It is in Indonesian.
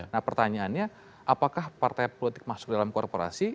nah pertanyaannya apakah partai politik masuk dalam korporasi